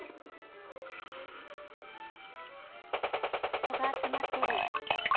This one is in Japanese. ・人が集まってる。